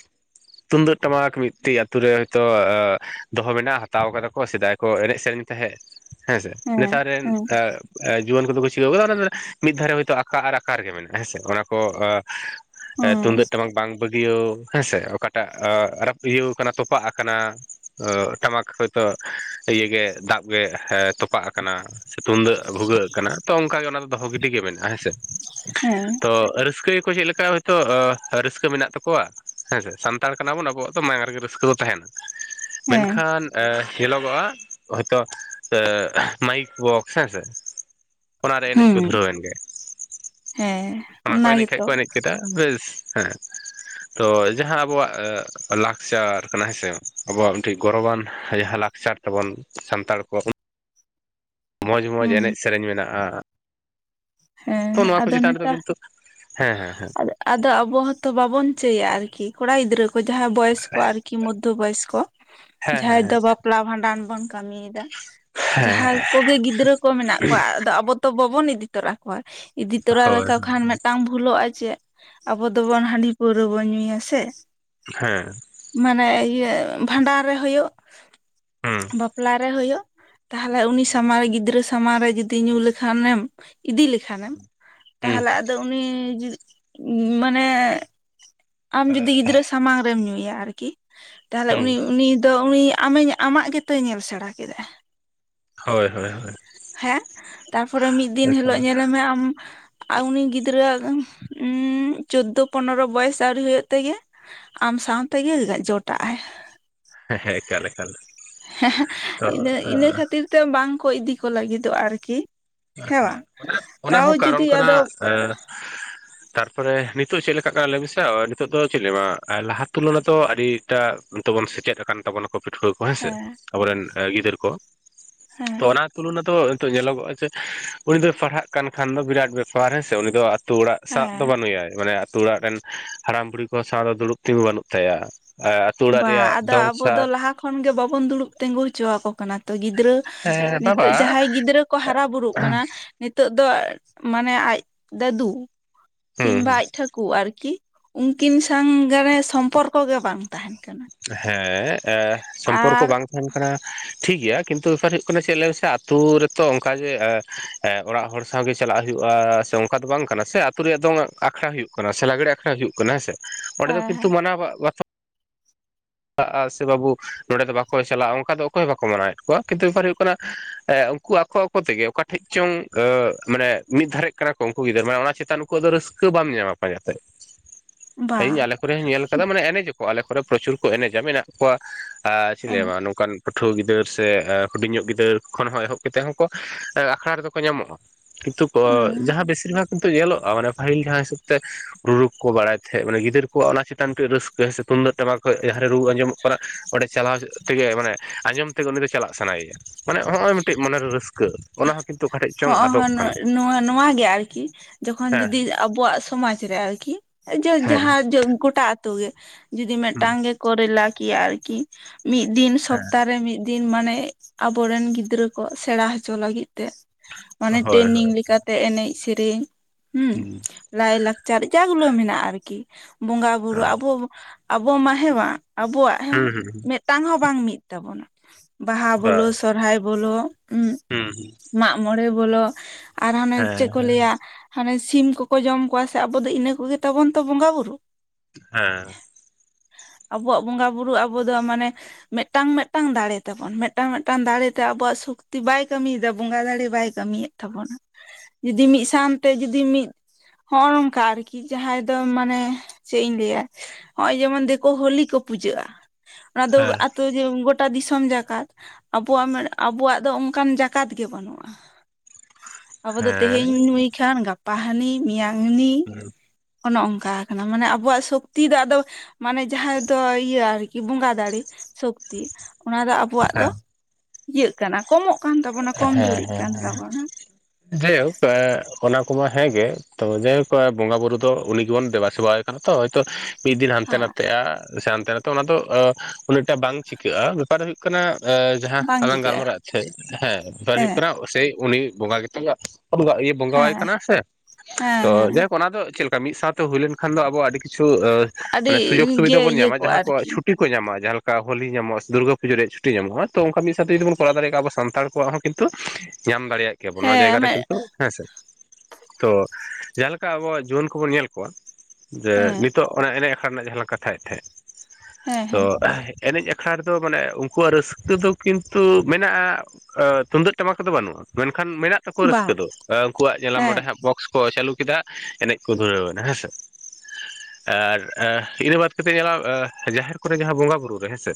ᱛᱩᱢᱫᱟᱹᱜ ᱴᱟᱢᱟᱠ ᱢᱤᱫᱴᱮᱡ ᱟᱹᱛᱩ ᱨᱮ ᱦᱳᱭᱛᱚ ᱮ ᱫᱚᱦᱚ ᱢᱮᱱᱟᱜ-ᱟ ᱦᱟᱛᱟᱣ ᱠᱟᱫᱟ ᱠᱚ ᱥᱮᱫᱟᱭ ᱠᱚ ᱮᱱᱮᱡ ᱥᱮᱨᱮᱧ ᱛᱟᱦᱮᱸᱫ ᱦᱮᱸᱥᱮ ᱦᱮᱸ ᱱᱮᱛᱟᱨ ᱨᱮᱱ ᱦᱮᱸ ᱮᱜ ᱮ ᱡᱩᱣᱟᱹᱱ ᱠᱚᱫᱚ ᱠᱚ ᱪᱤᱠᱟᱹᱣ ᱠᱟᱫᱟ ᱚᱱᱟ ᱢᱤᱫ ᱫᱷᱟᱨᱮ ᱦᱳᱭᱛᱳ ᱟᱠᱟ ᱟᱨ ᱟᱠᱟ ᱨᱮᱜᱮ ᱢᱮᱱᱟᱜᱼᱟ, ᱦᱮᱸᱥᱮ ᱚᱱᱟ ᱠᱚ ᱚ ᱮ ᱦᱮᱸ ᱛᱩᱢᱫᱟᱹᱜ ᱴᱟᱢᱟᱠ ᱵᱟᱝ ᱵᱟᱹᱜᱤᱭᱟᱹᱣ ᱦᱮᱸᱥᱮ ᱚᱠᱟᱴᱟᱜ ᱟᱹ ᱤᱭᱟᱹᱣ ᱠᱟᱱᱟ ᱛᱚᱯᱟᱜ ᱠᱟᱱᱟ, ᱟᱹ ᱴᱟᱢᱟᱠ ᱦᱚᱭᱛᱳ ᱤᱭᱮᱜᱮ ᱫᱟᱵ ᱜᱮ ᱮ ᱛᱚᱯᱟᱜ ᱠᱟᱱᱟ, ᱥᱮ ᱛᱩᱢᱫᱟᱹᱜ ᱵᱷᱩᱜᱟᱹᱜ ᱠᱟᱱᱟ ᱛᱚ ᱚᱱᱠᱟ ᱜᱮ ᱚᱱᱟ ᱫᱚ ᱫᱚᱦᱚ ᱜᱤᱰᱤ ᱜᱮ ᱢᱮᱱᱟᱜᱼᱟ ᱦᱮᱸᱥᱮ ᱦᱮᱸ ᱛᱚ ᱨᱟᱹᱥᱠᱟᱹ ᱜᱮᱠᱚ ᱪᱮᱫ ᱞᱮᱠᱟ ᱦᱳᱭᱛᱚ ᱟᱹ ᱨᱟᱹᱥᱠᱟᱹ ᱢᱮᱱᱟᱜ ᱛᱟᱠᱚᱣᱟ ᱦᱮᱸᱥᱮ ᱥᱟᱱᱛᱟᱲ ᱠᱟᱱᱟ ᱵᱚᱱ ᱟᱵᱚᱣᱟᱜ ᱫᱚ ᱢᱟᱭᱟᱝ ᱨᱮᱜᱮ ᱨᱟᱹᱥᱠᱟᱹ ᱫᱚ ᱛᱟᱦᱮᱸᱱᱟ᱾ ᱢᱮᱱᱠᱷᱟᱱ ᱮ ᱧᱮᱞᱚᱜᱚᱜᱼᱟ ᱦᱚᱭᱛᱳ ᱮ ᱢᱟᱭᱤᱠ ᱵᱚᱠᱥ ᱦᱮᱸᱥᱮ ᱚᱱᱟᱨᱮ ᱦᱮᱸ ᱮᱱᱮᱡ ᱠᱚ ᱦᱮᱸ ᱫᱷᱩᱨᱟᱹᱣᱮᱱ ᱜᱮ ᱦᱮᱸ ᱚᱱᱟ ᱠᱚ ᱮᱱᱮᱡ ᱠᱷᱟᱡ ᱜᱮᱛᱚ ᱠᱚ ᱮᱱᱮᱡ ᱠᱮᱫ ᱵᱮᱥ ᱦᱮᱸ ᱛᱚ ᱡᱟᱦᱟᱸ ᱟᱵᱚᱣᱟᱜ ᱟᱹ ᱞᱟᱠᱪᱟᱨ ᱠᱟᱱᱟ ᱦᱮᱸᱥᱮ ᱟᱵᱚᱣᱟᱜ ᱢᱤᱫᱴᱮᱱ ᱜᱚᱨᱚᱵᱟᱱ ᱡᱟᱦᱟᱸ ᱞᱟᱠᱪᱟᱨ ᱛᱟᱵᱚᱱ ᱥᱟᱱᱛᱟᱲ ᱠᱚ ᱢᱚᱡᱽ ᱢᱚᱡᱽ ᱮᱱᱮᱡ ᱦᱩᱸ ᱥᱮᱨᱮᱧ ᱢᱮᱱᱟᱜᱼᱟ, ᱦᱮᱸ ᱛᱚ ᱱᱚᱣᱟ ᱠᱚ ᱟᱫᱚ ᱪᱮᱛᱟᱱ ᱨᱮ ᱱᱮᱛᱟᱨ ᱫᱚ ᱠᱤᱱᱛᱩ ᱦᱮᱸ ᱦᱮᱸ ᱦᱮᱸ᱾ ᱟᱫᱚ ᱟᱵᱚ ᱦᱚᱸᱛᱚ ᱵᱟᱵᱩᱱ ᱪᱟᱹᱭᱟ ᱟᱨᱠᱤ ᱠᱚᱲᱟ ᱜᱤᱫᱽᱨᱟᱹ ᱡᱟᱦᱟᱸᱭ ᱵᱚᱭᱮᱥ ᱠᱚ ᱟᱨᱠᱤ ᱢᱚᱫᱫᱷᱳ ᱵᱚᱭᱮᱥ ᱠᱚ ᱦᱮᱸ ᱡᱟᱦᱟᱸᱭ ᱦᱮᱸ ᱫᱚ ᱦᱮᱸ ᱵᱟᱯ ᱯᱞᱟ ᱵᱷᱟᱸᱰᱟᱱ ᱵᱚᱱ ᱠᱟᱹᱢᱤᱭᱫᱟ ᱡᱟᱦᱟᱸ ᱦᱮᱸ ᱠᱚᱜᱮ ᱜᱤᱫᱽᱨᱟᱹ ᱠᱚ ᱢᱮᱱᱟᱜ ᱠᱚᱣᱟ ᱟᱵᱚ ᱛᱚ ᱵᱟᱵᱚᱱ ᱤᱫᱤ ᱛᱚᱨᱟ ᱠᱚᱣᱟ, ᱤᱫᱤ ᱛᱚᱨᱟ ᱦᱳᱭ ᱞᱮᱠᱚ ᱠᱷᱟᱱ ᱢᱤᱫᱴᱟᱝ ᱵᱷᱩᱞᱟᱹᱜᱼᱟ ᱪᱮᱜ ᱟᱵᱚ ᱫᱚᱵᱚᱱ ᱦᱟᱺᱰᱤ ᱯᱟᱹᱣᱨᱟᱹ ᱵᱩᱱ ᱧᱩᱭᱟ ᱥᱮ, ᱦᱮᱸ ᱾ ᱢᱟᱱᱮ ᱤᱭᱟᱹ ᱵᱷᱟᱸᱰᱟᱱ ᱨᱮ ᱦᱳᱭᱳᱜ ᱦᱩᱸ ᱵᱟᱯᱞᱟ ᱨᱮ ᱦᱳᱭᱳᱜ ᱛᱟᱦᱚᱞᱮ ᱩᱱᱤ ᱥᱟᱢᱟᱝ ᱜᱤᱫᱽᱨᱟᱹ ᱥᱟᱢᱟᱝ ᱨᱮ ᱡᱩᱫᱤ ᱧᱩ ᱞᱮᱠᱷᱟᱱᱮᱢ ᱤᱫᱤ ᱞᱮᱠᱷᱟᱱᱮᱢ ᱦᱩᱸ ᱛᱟᱦᱚᱞᱮ ᱟᱫᱚ ᱩᱱᱤ ᱜᱤᱫ ᱢᱟᱱᱮ ᱟᱢ ᱡᱩᱫᱤ ᱜᱤᱫᱽᱨᱟᱹ ᱥᱟᱢᱟᱝ ᱨᱮᱢ ᱧᱩᱭᱟ ᱟᱨᱠᱤ ᱛᱟᱦᱚᱞᱮ ᱦᱩᱸ ᱩᱱᱤ ᱩᱱᱤ ᱫᱚ ᱩᱱᱤ ᱟᱢᱮ ᱧᱮ ᱟᱢᱟᱜ ᱜᱮᱛᱚᱭ ᱧᱮᱞ ᱥᱮᱬᱟ ᱠᱮᱫᱟ᱾ ᱦᱳᱭ ᱦᱳᱭ ᱦᱳᱭ ᱦᱮᱸ ᱛᱟᱨᱯᱚᱨᱮ ᱢᱤᱫ ᱫᱤᱱ ᱦᱤᱞᱳᱜ ᱮᱠᱟᱞ ᱧᱮᱞᱮ ᱢᱮ ᱟᱢ ᱟᱨ ᱩᱱᱤ ᱜᱤᱫᱽᱨᱟᱹᱣᱟᱜ ᱩᱸᱻᱪᱳᱫᱫᱳ ᱯᱚᱱᱮᱨᱚ ᱵᱚᱭᱚᱥ ᱟᱹᱣᱨᱤ ᱦᱳᱭᱳᱜ ᱛᱮᱜᱮ ᱟᱢ ᱥᱟᱶᱛᱮ ᱜᱮ ᱡᱚᱴᱟᱜ ᱟᱭ ᱾ ᱦᱮᱸ ᱦᱮᱸ ᱮᱠᱟᱞ ᱮᱠᱟᱞ ᱦᱮᱸ ᱦᱮᱸ ᱛᱚ ᱤᱱᱟᱹ ᱤᱱᱟᱹ ᱠᱷᱟᱹᱛᱤᱨ ᱛᱮ ᱵᱟᱝ ᱠᱚ ᱤᱫᱤ ᱠᱚ ᱞᱟᱹᱜᱤᱫᱚᱜ-ᱟ ᱟᱨᱠᱤ ᱦᱮᱸ ᱵᱟᱝ ᱚᱱᱟ ᱛᱟᱣ ᱦᱚᱸ ᱠᱟᱨᱚᱱ ᱡᱩᱫᱤ ᱠᱟᱱᱟ ᱟᱫᱚ ᱮ ᱛᱟᱨᱯᱚᱨᱮ ᱱᱤᱛᱚᱜ ᱪᱮᱫ ᱞᱮᱠᱟ ᱠᱟᱱᱟᱞᱮ ᱞᱟᱹᱭ ᱢᱮᱥᱮ ᱱᱤᱛᱚᱜ ᱫᱚ ᱪᱮᱫ ᱞᱟᱹᱭᱟ, ᱞᱟᱦᱟ ᱛᱩᱞᱚᱱᱟ ᱛᱚ ᱟᱹᱰᱤ ᱡᱮᱴᱟ ᱱᱤᱛᱚᱜ ᱵᱚᱱ ᱥᱮᱪᱮᱫ ᱟᱠᱟᱱ ᱛᱟᱵᱚᱱᱟᱠᱚ ᱯᱟᱹᱴᱷᱩᱣᱟᱹ ᱠᱚ ᱦᱮᱸᱥᱮ ᱦᱮᱸ ᱟᱵᱚ ᱨᱮᱱ ᱜᱤᱫᱟᱹᱨ ᱠᱚ ᱾ ᱦᱮᱸ ᱾ ᱚᱱᱟ ᱛᱩᱞᱚᱱᱟ ᱫᱚ ᱱᱤᱛᱚᱜ ᱧᱮᱞᱚᱜᱚᱜ-ᱟ ᱥᱮ ᱩᱱᱤ ᱫᱚᱭ ᱯᱟᱲᱦᱟᱜ ᱠᱟᱱ ᱠᱷᱟᱱ ᱫᱚ ᱵᱤᱨᱟᱴ ᱵᱮᱯᱟᱨ ᱦᱮᱸᱥᱮ ᱩᱱᱤ ᱫᱚ ᱟᱛᱩ ᱚᱲᱟᱜ ᱥᱟᱶ ᱫᱚ ᱦᱮᱸ ᱵᱟᱹᱱᱩᱭᱟᱭ ᱢᱟᱱᱮ ᱟᱹᱛᱩ ᱚᱲᱟᱜ ᱨᱮᱱ ᱦᱟᱲᱟᱢ ᱵᱩᱲᱦᱤ ᱠᱚ ᱥᱟᱶ ᱫᱩᱲᱩᱵ ᱛᱤᱸᱜᱩ ᱵᱟᱹᱱᱩᱜ ᱛᱟᱭᱟ ᱾ ᱮ ᱟᱛᱳ ᱚᱲᱟᱜ ᱵᱟᱝ ᱨᱮᱭᱟᱜ ᱟᱫᱚ ᱫᱚᱝ ᱟᱵᱚ ᱫᱚ ᱥᱟᱨ ᱞᱟᱦᱟ ᱠᱷᱚᱱ ᱜᱮ ᱵᱟᱵᱩᱱ ᱫᱩᱲᱩᱵ ᱛᱤᱜᱩ ᱚᱪᱚ ᱟᱠᱚ ᱠᱟᱱᱟ ᱛᱚ ᱜᱤᱫᱽᱨᱟᱹ ᱾ ᱦᱮᱸ ᱵᱟᱵᱟ ᱱᱤᱛᱳᱜ ᱡᱟᱦᱟᱸᱭ ᱜᱤᱫᱽᱨᱟᱹ ᱠᱚ ᱦᱟᱨᱟ ᱵᱩᱨᱩᱜ ᱠᱟᱱᱟ ᱱᱤᱛᱚᱜ ᱫᱚ ᱢᱟᱱᱮ ᱟᱡ ᱫᱟᱫᱩ ᱦᱩᱸ ᱠᱤᱝᱵᱟ ᱟᱡ ᱴᱷᱟᱹᱠᱩ ᱟᱨᱠᱤ ᱩᱱᱠᱤᱱ ᱥᱟᱝᱜ ᱥᱚᱢᱯᱚᱨᱠᱚ ᱜᱮ ᱵᱟᱝ ᱛᱟᱦᱮᱱ ᱠᱟᱱᱟ᱾ ᱦᱮᱸ ᱥᱚᱢᱯᱚᱨᱠᱚ ᱟᱨ ᱵᱟᱝ ᱛᱟᱦᱮᱱ ᱠᱟᱱᱟ᱾ ᱴᱷᱤᱠ ᱜᱮᱭᱟ ᱠᱤᱱᱛᱩ ᱵᱮᱯᱟᱨ ᱦᱩᱭᱩᱜ ᱠᱟᱱᱟ ᱪᱮᱫ ᱞᱟᱹᱭ ᱢᱮ ᱥᱮ ᱟᱛᱳ ᱨᱮᱛᱚ ᱚᱱᱠᱟ ᱜᱮ ᱚᱲᱟᱜ ᱦᱚᱲ ᱥᱟᱶᱜᱮ ᱪᱟᱞᱟᱜ ᱦᱩᱭᱩᱜ-ᱟ ᱥᱮ ᱚᱱᱠᱟ ᱫᱚ ᱵᱟᱝ ᱠᱟᱱᱟ ᱥᱮ ᱟᱛᱩ ᱨᱮᱭᱟᱜ ᱫᱚᱝ ᱟᱠᱷᱲᱟ ᱦᱩᱭᱩᱜ ᱠᱟᱱᱟ ᱥᱮ ᱞᱟᱜᱽᱲᱮ ᱟᱠᱷᱲᱟ ᱦᱩᱭᱩᱜ ᱠᱟᱱᱟ ᱦᱮᱸ ᱥᱮ ᱚᱸᱰᱮ ᱫᱚ ᱦᱮᱸ ᱠᱤᱱᱛᱩ ᱦᱮᱸ ᱢᱟᱱᱟᱣ ᱵᱟ ᱵᱟᱛᱟ ᱟ ᱟᱨ ᱥᱮ ᱵᱟᱹᱵᱩ ᱱᱚᱸᱰᱮ ᱫᱚ ᱵᱟᱠᱚ ᱪᱟᱞᱟᱜ-ᱟ ᱚᱱᱠᱟ ᱫᱚ ᱚᱠᱚᱭ ᱦᱚᱸ ᱵᱟᱠᱚ ᱢᱟᱱᱟᱣᱮᱫ ᱠᱚᱣᱟ ᱠᱤᱱᱛᱩ ᱵᱮᱯᱟᱨ ᱦᱩᱭᱩᱜ ᱠᱟᱱᱟ ᱩᱱᱠᱩ ᱟᱠᱚ ᱟᱠᱚ ᱛᱮᱜᱮ ᱚᱠᱟ ᱴᱷᱮᱡ ᱪᱚᱝ ᱢᱟᱱᱮ ᱢᱤᱫ ᱫᱷᱟᱨᱮᱜ ᱠᱟᱱᱟ ᱠᱚ ᱩᱱᱠᱩ ᱜᱤᱫᱟᱹᱨ ᱢᱟᱱᱮ ᱚᱱᱟ ᱪᱮᱛᱟᱱ ᱟᱠᱚ ᱫᱚ ᱨᱟᱹᱥᱠᱟᱹ ᱵᱟᱢ ᱧᱟᱢᱟ ᱯᱟᱸᱡᱟ ᱛᱮ᱾ ᱵᱟᱝ ᱤᱧ ᱟᱞᱮ ᱠᱚᱨᱮ ᱦᱚᱸᱧ ᱧᱮᱞ ᱠᱟᱫᱟ ᱢᱟᱱᱮ ᱮᱱᱮᱡ ᱟᱠᱚ ᱟᱞᱮ ᱠᱚᱨᱮ ᱯᱨᱚᱪᱩᱨ ᱠᱚ ᱮᱱᱮᱡᱟ ᱢᱮᱱᱟᱜ ᱠᱚᱣᱟ᱾ ᱟ ᱪᱮᱫ ᱤᱧ ᱦᱮᱸ ᱞᱟᱹᱭᱟᱢᱟ ᱱᱚᱣᱟ ᱱᱚᱝᱠᱟᱱ ᱯᱟᱹᱴᱷᱩᱣᱟᱹ ᱜᱤᱫᱟᱹᱨ ᱥᱮ ᱦᱩᱰᱤᱧ ᱧᱚᱜ ᱜᱤᱫᱟᱹᱨ ᱠᱷᱚᱱ ᱦᱚᱸ ᱮᱦᱚᱵ ᱠᱟᱛᱮᱫ ᱦᱚᱸᱠᱚ ᱟᱠᱷᱲᱟ ᱨᱮᱫᱚ ᱠᱚ ᱧᱟᱢᱚᱜ-ᱟ᱾ ᱠᱤᱱᱛᱩ ᱚ ᱡᱟᱦᱟᱸ ᱵᱮᱥᱤᱨ ᱵᱷᱟᱜᱽ ᱠᱤᱱᱛᱩ ᱧᱮᱞᱚᱜ-ᱟ ᱢᱟᱱᱮ ᱯᱟᱹᱦᱤᱞ ᱡᱟᱦᱟᱸ ᱦᱤᱥᱟᱹᱵ ᱛᱮ ᱨᱩᱨᱩ ᱠᱚ ᱵᱟᱲᱟᱭ ᱛᱮᱦᱮᱸᱡ ᱢᱟᱱᱮ ᱜᱤᱫᱟᱹᱨ ᱠᱚᱣᱟᱜ ᱚᱱᱟ ᱪᱮᱛᱟᱱ ᱢᱤᱫ ᱨᱟᱹᱥᱠᱟᱹ ᱥᱮ ᱛᱩᱢᱫᱟᱹᱜ ᱴᱟᱢᱟᱠ ᱡᱟᱦᱟᱸ ᱨᱮ ᱨᱩ ᱟᱸᱡᱚᱢᱚᱜ ᱠᱟᱱᱟ ᱚᱸᱰᱮ ᱪᱟᱞᱟᱣ ᱛᱮᱜᱮ ᱢᱟᱱᱮ ᱟᱸᱡᱚᱢ ᱩᱱᱤ ᱫᱚ ᱪᱟᱞᱟᱜ ᱥᱟᱱᱟᱭᱮᱭᱟ ᱢᱟᱱᱮ ᱱᱚᱜ-ᱚᱭ ᱢᱤᱫᱴᱮᱡ ᱢᱚᱱᱮᱨᱮ ᱨᱟᱹᱥᱠᱟᱹ ᱚᱱᱟ ᱦᱚᱸ ᱠᱤᱱᱛᱩ ᱚᱠᱟᱴᱷᱮᱡ ᱪᱚᱝ ᱟᱫᱚᱜ ᱦᱚᱸᱜ-ᱱᱚ ᱠᱟᱱᱟ ᱱᱚ ᱱᱚᱣᱟ ᱜᱮ ᱟᱨᱠᱤ ᱡᱚᱠᱷᱚᱱ ᱦᱮᱸ ᱡᱩᱫᱤ ᱟᱵᱩᱣᱟᱜ ᱥᱚᱢᱟᱡ ᱨᱮ ᱟᱨᱠᱤ ᱡᱚ ᱦᱮᱸ ᱡᱟᱦᱟᱸ ᱜᱚᱴᱟ ᱟᱛᱳ ᱜᱮ ᱡᱩᱫᱤ ᱦᱮᱸ ᱢᱤᱫᱴᱟᱝ ᱜᱮ ᱠᱚᱨᱮ ᱨᱮᱞᱟ ᱠᱤᱭᱟ ᱟᱨᱠᱤ ᱢᱤᱫ ᱫᱤᱱ ᱦᱮᱸ ᱥᱚᱯᱛᱟ ᱨᱮ ᱢᱤᱫ ᱫᱤᱱ ᱢᱟᱱᱮ ᱟᱵᱚᱨᱮᱱ ᱜᱤᱫᱽᱨᱟᱹ ᱠᱚ ᱥᱮᱬᱟ ᱦᱚᱪᱚ ᱞᱟᱹᱜᱤᱫ ᱛᱮ ᱢᱟᱱᱮ ᱦᱳᱭ ᱦᱳᱭ ᱴᱨᱮᱱᱤᱝ ᱞᱮᱠᱟᱛᱮ ᱛᱮ ᱮᱱᱮᱡ ᱥᱤᱨᱤᱧ ᱦᱩᱸ ᱞᱟᱭ-ᱞᱟᱠᱪᱟᱨ ᱡᱟᱜᱩᱞᱟᱹ ᱢᱮᱱᱟᱜ-ᱟ ᱟᱨᱠᱤ᱾ ᱵᱚᱸᱜᱟ ᱵᱩᱨᱩ ᱦᱩᱸ ᱟᱵᱚ ᱟᱵᱚ ᱢᱟ ᱦᱮᱸ ᱵᱟᱝ ᱟᱵᱚᱣᱟᱜ ᱦᱩᱸ ᱦᱩᱸ ᱦᱩᱸ ᱾ ᱢᱤᱫᱴᱟᱝ ᱦᱚᱸ ᱵᱟᱝ ᱢᱤᱫ ᱛᱟᱵᱚᱱᱟ ᱵᱟᱦᱟ ᱵᱟ ᱵᱚᱞᱚ ᱥᱚᱨᱦᱚᱟᱭ ᱵᱚᱞᱚ ᱩᱸ ᱦᱩᱸ ᱦᱩᱸ ᱾ ᱢᱟᱜ ᱢᱚᱬᱮ ᱵᱚᱞᱚ ᱟᱨ ᱦᱟᱱᱮ ᱪᱮᱜ ᱠᱚ ᱞᱟᱹᱭᱟ ᱦᱟᱱᱮ ᱥᱤᱢ ᱠᱚᱠᱚ ᱡᱚᱢ ᱠᱚᱣᱟ ᱥᱮ ᱟᱵᱚ ᱫᱚ ᱤᱱᱟᱹ ᱠᱚᱜᱮ ᱛᱟᱵᱚᱱ ᱛᱚ ᱵᱚᱸᱜᱟ ᱵᱩᱨᱩ᱾ ᱦᱮᱸ, ᱟᱵᱚᱣᱟᱜ ᱵᱚᱸᱜᱟ ᱵᱩᱨᱩ ᱟᱵᱚ ᱫᱚ ᱢᱟᱱᱮ ᱢᱤᱜᱟᱝ ᱢᱤᱫᱜᱟᱝ ᱫᱟᱲᱮ ᱛᱟᱵᱚᱱ ᱢᱤᱫᱜᱟᱝ ᱢᱤᱫᱜᱟᱝ ᱫᱟᱲᱮᱛᱮ ᱟᱵᱚᱣᱟᱜ ᱥᱚᱠᱛᱤ ᱵᱟᱭ ᱠᱟᱹᱢᱤᱭ ᱫᱟ ᱵᱚᱸᱜᱟ ᱫᱟᱲᱮ ᱵᱟᱭ ᱠᱟᱹᱢᱤᱭᱮᱜ ᱛᱟᱵᱚᱱᱟ ᱡᱩᱫᱤ ᱢᱤᱜ ᱥᱟᱶᱛᱮ ᱡᱩᱫᱤ ᱢᱤᱫ ᱦᱚᱸᱜᱼᱚ ᱱᱚᱝᱠᱟ ᱟᱨᱠᱤ ᱡᱟᱦᱟᱸᱭ ᱫᱚ ᱢᱟᱱᱮ ᱪᱮᱜ ᱤᱧ ᱞᱟᱹᱭᱟ ᱦᱚᱸᱜ-ᱚᱭ ᱡᱮᱢᱚᱱ ᱫᱤᱠᱩ ᱦᱳᱞᱤ ᱠᱚ ᱯᱩᱡᱟᱹᱜᱼᱟ, ᱚᱱᱟ ᱫᱚ ᱦᱮᱸ ᱟᱹᱛᱩ ᱡᱮ ᱜᱚᱴᱟ ᱫᱤᱥᱚᱢ ᱡᱟᱠᱟᱛ ᱟᱵᱚᱣᱟᱜ ᱢᱮ ᱟᱵᱚᱣᱟᱜ ᱫᱚ ᱚᱱᱠᱟᱱ ᱡᱟ ᱠᱟᱛ ᱜᱮ ᱵᱟᱹᱱᱩᱜᱼᱟ᱾ᱟᱵᱚ ᱫᱚ ᱦᱮᱸ ᱛᱮᱦᱮᱧ ᱱᱩᱭ ᱠᱷᱟᱱ ᱜᱟᱯᱟ ᱦᱟᱱᱤ ᱢᱮᱭᱟᱝ ᱩᱱᱤ ᱚᱱᱮ ᱚᱝᱠᱟᱣ ᱠᱟᱱᱟ ᱢᱟᱱᱮ ᱟᱵᱚᱣᱟᱜ ᱥᱚᱠᱛᱤ ᱫᱚ ᱟᱫᱚ ᱢᱟᱱᱮ ᱡᱟᱦᱟᱸᱭ ᱫᱚ ᱤᱭᱟᱹ ᱟᱨᱠᱤ ᱵᱚᱸᱜᱟ ᱫᱟᱲᱮ ᱥᱚᱠᱛᱤ ᱚᱱᱟ ᱫᱚ ᱟᱵᱚᱣᱟᱜ ᱫᱚ ᱦᱮᱸ ᱤᱭᱟᱹᱜ ᱠᱟᱱᱟ ᱠᱚᱢᱚᱜ ᱠᱟᱱ ᱛᱟᱵᱚᱱᱟ᱾ ᱠᱚᱢ ᱦᱮᱸ ᱡᱩᱨᱤᱜ ᱦᱮᱸ ᱠᱟᱱ ᱦᱮᱸ ᱛᱟᱵᱚᱱᱟ ᱡᱟᱭᱦᱳᱠ ᱮᱸ ᱚᱱᱟ ᱠᱚᱢᱟ ᱦᱮᱸᱜᱮ ᱛᱚ ᱡᱟᱭᱦᱳᱠ ᱟ ᱵᱚᱸᱜᱟ ᱵᱩᱨᱩ ᱫᱚ ᱩᱱᱤ ᱜᱮᱵᱚᱱ ᱫᱮᱵᱟ ᱥᱮᱵᱟᱣᱟᱭ ᱠᱷᱟᱱ ᱛᱚ ᱦᱳᱭᱛᱳ ᱢᱤᱜ ᱫᱤᱱ ᱦᱟᱱᱛᱮ ᱦᱮᱸ ᱱᱟᱛᱮᱜ-ᱟ᱾ ᱥᱮ ᱦᱟᱱᱛᱮ ᱱᱚᱛᱮ ᱚᱱᱟ ᱫᱚ ᱟᱸ ᱩᱱᱟᱹᱜᱴᱟ ᱵᱟᱝ ᱪᱤᱠᱟᱹᱜᱼᱟ ᱵᱮᱯᱟᱨ ᱫᱚ ᱦᱩᱭᱩᱜ ᱠᱟᱱᱟ ᱮᱸ ᱡᱟᱦᱟᱸ ᱵᱟᱝ ᱟᱞᱟᱝ ᱪᱤᱠᱟᱹᱜᱼᱟ ᱜᱟᱞᱢᱟᱨᱟᱣᱮᱜ ᱛᱟᱦᱮᱸᱫ ᱦᱮᱸ ᱵᱮᱯᱟᱨ ᱦᱩᱭᱩᱜ ᱦᱮᱸ ᱠᱟᱱᱟ ᱥᱮᱭ ᱩᱱᱤ ᱵᱚᱸᱜᱟ ᱜᱮᱛᱚ [unintelligible] ᱟᱵᱚᱣᱟᱜ ᱤᱭᱟᱹ ᱵᱚᱸᱜᱟᱣᱟᱭ ᱦᱮᱸ ᱠᱟᱱᱟ ᱥᱮ ᱦᱮᱸ ᱛᱚ ᱦᱮᱸ ᱡᱟᱭᱦᱳᱠ ᱚᱱᱟ ᱫᱚ ᱪᱮᱫ ᱞᱮᱠᱟ ᱢᱤᱫ ᱥᱟᱶᱛᱮ ᱦᱩᱭ ᱞᱮᱱᱠᱷᱟᱱ ᱫᱚ ᱟᱵᱚᱣᱟᱜ ᱟᱹᱰᱤ ᱠᱤᱪᱷᱩ ᱮᱸ ᱟᱹᱰᱤ ᱚᱱᱮ ᱥᱩᱡᱳᱜᱽ ᱥᱩᱵᱤᱫᱷᱟ ᱜᱮ ᱵᱚᱱ ᱤᱭᱟᱹ ᱧᱟᱢ ᱠᱚᱜᱼᱟ ᱡᱟᱦᱟᱸ ᱠᱚᱣᱟᱜ ᱟᱨᱠᱤ ᱪᱷᱩᱴᱤ ᱠᱚ ᱧᱟᱢᱟ ᱡᱟᱦᱟᱸ ᱞᱮᱠᱟ ᱦᱳᱞᱤ ᱧᱟᱢᱚᱜᱼᱟ ᱫᱩᱨᱜᱟᱹ ᱯᱩᱡᱟᱹ ᱨᱮᱭᱟᱜ ᱪᱷᱩᱴᱤ ᱧᱟᱢᱚᱜᱼᱟ ᱛᱚ ᱚᱱᱠᱟ ᱢᱤᱜ ᱥᱟᱶᱛᱮ ᱡᱩᱫᱤ ᱵᱚᱱ ᱠᱚᱨᱟᱣ ᱫᱟᱲᱮᱭᱟᱜ ᱠᱷᱟᱱ ᱟᱵᱚ ᱥᱟᱱᱛᱟᱲ ᱠᱚᱣᱟᱜ ᱦᱚᱸ ᱠᱤᱱᱛᱩ ᱧᱟᱢ ᱫᱟᱲᱮᱭᱟᱜ ᱠᱮᱭᱟ ᱵᱚᱱ ᱱᱚᱣᱟ ᱦᱮᱸ ᱡᱟᱭᱜᱟ ᱨᱮ ᱟᱢᱟᱜ ᱠᱤᱱᱛᱩ ᱦᱮᱸᱥᱮ᱾ ᱛᱚ ᱡᱟᱦᱟᱸ ᱞᱮᱠᱟ ᱟᱵᱚᱣᱟᱜ ᱡᱩᱣᱟᱹᱱ ᱠᱚᱵᱚᱱ ᱧᱮᱞ ᱠᱚᱣᱟ ᱡᱮ ᱦᱮᱸ ᱱᱤᱛᱳᱜ ᱚᱱᱟ ᱮᱱᱮᱡ ᱟᱠᱷᱲᱟ ᱨᱮᱱᱟᱜ ᱡᱟᱦᱟᱸᱞᱟᱝ ᱠᱟᱛᱷᱟᱭᱮᱜ ᱛᱟᱦᱮᱸᱫ ᱦᱮᱸ ᱛᱚ ᱦᱮᱸ ᱮᱱᱮᱡ ᱟᱠᱷᱲᱟ ᱨᱮᱫᱚ ᱢᱟᱱᱮ ᱩᱝᱠᱩᱣᱟᱜ ᱨᱟᱹᱥᱠᱟᱹ ᱫᱚ ᱠᱤᱱᱛᱩ ᱢᱮᱱᱟᱜᱼᱟ ᱟᱸ ᱛᱩᱢᱫᱟᱹᱜ ᱴᱟᱢᱟᱠ ᱠᱚᱫᱚ ᱵᱟᱹᱱᱩᱜᱼᱟ ᱢᱮᱱᱠᱷᱟᱱ ᱢᱮᱱᱟᱜ ᱛᱟᱠᱚᱣᱟ ᱵᱟ ᱨᱟᱹᱥᱠᱟᱹ ᱫᱚ ᱟᱸ ᱩᱝᱠᱩᱣᱟᱜ ᱧᱮᱞᱟᱢ ᱚᱸᱰᱮ ᱦᱮᱸ ᱦᱟᱸᱜ ᱵᱚᱠᱥ ᱠᱚ ᱪᱟᱹᱞᱩ ᱠᱮᱫᱟ ᱮᱱᱮᱡ ᱠᱚ ᱫᱷᱩᱨᱟᱹᱣᱮᱱᱟ ᱦᱮᱸᱥᱮ᱾ ᱟᱨ ᱟᱸ ᱤᱱᱟᱹ ᱵᱟᱫ ᱠᱟᱛᱮᱜ ᱧᱮᱞᱟᱢ ᱟᱸ ᱡᱟᱦᱮᱨ ᱠᱚᱨᱮ ᱡᱟᱦᱟᱸ ᱵᱚᱸᱜᱟ ᱵᱩᱨᱩ ᱨᱮ ᱦᱮᱸᱥᱮ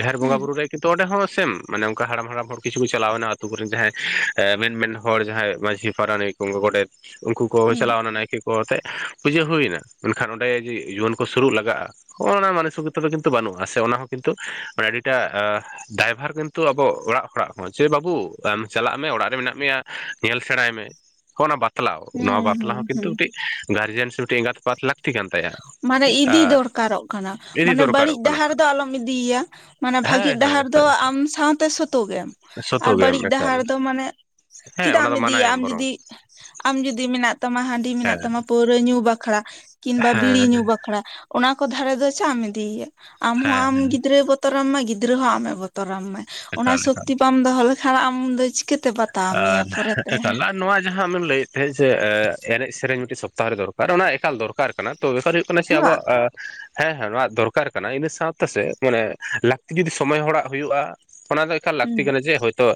ᱡᱟᱦᱮᱨ ᱵᱚᱸᱜᱟ ᱦᱩᱸ ᱵᱩᱨᱩ ᱨᱮ ᱠᱤᱱᱛᱩ ᱚᱸᱰᱮ ᱦᱚᱸ ᱥᱮᱢ ᱢᱟᱱᱮ ᱚᱱᱠᱟ ᱦᱟᱲᱟᱢ ᱦᱟᱲᱟᱢ ᱦᱚᱲ ᱠᱤᱪᱷᱩ ᱠᱚ ᱪᱟᱞᱟᱣ ᱮᱱᱟ ᱟᱛᱳ ᱠᱚᱨᱮᱱ ᱡᱟᱦᱟᱸᱭ ᱮᱸ ᱢᱮᱱ ᱢᱮᱱ ᱦᱚᱲ ᱡᱟᱦᱟᱸᱭ ᱢᱟᱺᱡᱷᱤ ᱯᱟᱨᱟᱱᱤᱠ ᱩᱱᱠᱩ ᱜᱳᱰᱮᱛ ᱩᱱᱠᱩ ᱠᱚ ᱦᱩᱸ ᱪᱟᱞᱟᱣᱱᱟ ᱱᱟᱭᱠᱮ ᱠᱚ ᱟᱛᱮᱜ ᱯᱩᱡᱟᱹ ᱦᱩᱭᱱᱟ ᱢᱮᱱᱠᱷᱟᱱ ᱚᱸᱰᱮ ᱡᱮ ᱡᱩᱣᱟᱹᱱ ᱠᱚ ᱥᱩᱨᱩᱜ ᱞᱟᱜᱟᱜᱼᱟ ᱦᱚᱸᱜᱼᱚ ᱱᱟ ᱢᱟᱱᱮ ᱥᱩᱵᱤᱛᱟ ᱫᱚ ᱠᱤᱱᱛᱩ ᱵᱟᱹᱱᱩᱜᱼᱟ᱾ ᱥᱮ ᱚᱱᱟ ᱦᱚᱸ ᱠᱤᱱᱛᱩ ᱢᱟᱱᱮ ᱟᱹᱰᱤᱴᱟ ᱟᱸ ᱫᱟᱭᱵᱷᱟᱨ ᱠᱤᱱᱛᱩ ᱟᱵᱚ ᱚᱲᱟᱜ ᱚᱲᱟᱜ ᱪᱮ ᱵᱟᱹᱵᱩ ᱟᱢ ᱪᱟᱞᱟᱜ ᱢᱮ ᱚᱲᱟᱜ ᱨᱮ ᱢᱮᱱᱟᱜ ᱢᱮᱭᱟ ᱧᱮᱞ ᱥᱮᱬᱟᱭ ᱢᱮ ᱚᱱᱟ ᱵᱟ ᱛᱞᱟᱣ ᱱᱚᱣᱟ ᱦᱩᱸ ᱵᱟᱛᱞᱟᱣ ᱦᱩᱸ ᱦᱚᱸ ᱠᱤᱱᱛᱩ ᱦᱩᱸ ᱢᱤᱜᱴᱤᱡ ᱜᱟᱨᱡᱮᱱ ᱥᱮ ᱢᱤᱫ ᱮᱸᱜᱟᱛ ᱟᱯᱟᱛ ᱞᱟ ᱢᱟᱱᱮ ᱤᱫᱤ ᱫᱚᱨᱠᱟᱨᱚᱜ ᱠᱟᱱᱟ ᱤᱫᱤ ᱢᱟᱱᱮ ᱵᱟᱹᱲᱤᱡ ᱫᱚᱨᱠᱟᱨᱚᱜ ᱠᱟᱱᱟ ᱰᱟᱦᱟᱨ ᱫᱚ ᱟᱞᱚᱢ ᱤᱫᱤᱭ ᱭᱟ᱾ ᱢᱟᱱᱮ ᱵᱷᱟᱹᱜᱤ ᱦᱳᱭ ᱦᱳᱭ ᱰᱟᱦᱟᱨ ᱫᱚ ᱦᱳᱭ ᱟᱢ ᱥᱟᱶᱛᱮ ᱥᱩᱛᱩᱜᱮᱢ ᱟᱨ ᱥᱚᱛᱚ ᱜᱮᱢ ᱵᱟᱹᱲᱤᱡ ᱮᱠᱟᱞ ᱰᱟᱦᱟᱨ ᱫᱚ ᱢᱟᱱᱮ, ᱦᱮᱸ ᱪᱮᱫᱟᱜ ᱚᱱᱟ ᱮᱢ ᱫᱚ ᱤᱫᱤᱭ ᱭᱟ ᱢᱟᱱᱟᱭᱮᱢ ᱟᱢ ᱵᱚᱨᱚᱝ ᱡᱩᱫᱤ ᱟᱢ ᱡᱩᱫᱤ ᱢᱮᱱᱟᱜ ᱛᱟᱢᱟ ᱦᱟᱺᱰᱤ ᱢᱮᱱᱟᱜ ᱦᱮᱸ ᱛᱟᱢᱟ ᱯᱟᱹᱨᱣᱟᱹ ᱧᱩ ᱵᱟᱠᱷᱲᱟ ᱠᱤᱱᱵᱟ ᱦᱮᱸ ᱟᱠᱷᱲᱟ ᱚᱱᱟ ᱠᱚ ᱫᱷᱟᱨᱮ ᱫᱚ ᱪᱟᱜ ᱮᱢ ᱤᱫᱤᱭ ᱭᱟ ᱟᱢ ᱦᱚᱸ ᱦᱮᱸ ᱟᱢ ᱜᱤᱫᱽᱨᱟᱹ ᱵᱚ ᱛᱚᱨᱟᱢ ᱜᱤᱫᱽᱨᱟᱹ ᱦᱚᱸ ᱟᱢᱮ ᱵᱚᱛᱚᱨᱟᱢ ᱢᱟᱭ ᱚᱱᱟ ᱮᱠᱟᱞ ᱮᱠᱟᱞ ᱥᱚᱠᱛᱤ ᱵᱟᱢ ᱫᱚᱦᱚ ᱞᱮᱠᱷᱟᱱ ᱟᱢ ᱫᱚ ᱪᱤᱠᱟᱹ ᱟᱨ [unintelligible] ᱱᱚᱣᱟ ᱡᱟᱦᱟᱸ ᱟᱢᱮᱢ ᱞᱟᱹᱭᱮᱫ ᱛᱟᱦᱮᱸᱫ ᱥᱮ ᱮᱸ ᱮᱱᱮᱡ ᱥᱮᱨᱮᱧ ᱢᱤᱜᱴᱤᱡ ᱥᱚᱯᱛᱟ ᱨᱮ ᱫᱚᱨᱠᱟᱨ ᱚᱱᱟ ᱮᱠᱟᱞ ᱫᱚᱨᱠᱟᱨ ᱠᱟᱱᱟ ᱛᱚ ᱵᱮᱯᱟᱨ ᱦᱩᱭᱩᱜ ᱠᱟᱱᱟ ᱥᱮ ᱦᱮᱸ ᱵᱟᱝ ᱟᱵᱚᱣᱟᱜ ᱟᱸ ᱦᱮᱸ ᱦᱮᱸ ᱱᱚᱣᱟ ᱫᱚᱨᱠᱟᱨ ᱠᱟᱱᱟ ᱤᱱᱟᱹ ᱥᱟᱶᱛᱮ ᱥᱮ ᱢᱟᱱᱮ ᱞᱟᱹᱠᱛᱤ ᱡᱩᱫᱤ ᱥᱚᱢᱚᱭ ᱦᱚᱲᱟᱜ ᱦᱩᱭᱩᱜᱼᱟ, ᱚᱱᱟ ᱫᱚ ᱮᱠᱟᱞ ᱞᱟᱹᱠᱛᱤ ᱦᱩᱸ ᱠᱟᱱᱟ ᱡᱮ ᱦᱳᱭᱛᱳ